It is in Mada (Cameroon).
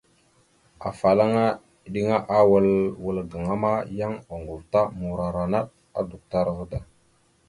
Afalaŋa eɗeŋa awal wal gaŋa ma, yan oŋgov ta morara naɗ a duktar da.